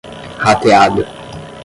rateada